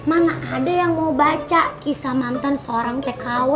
mana ada yang mau baca kisah mantan seorang tkw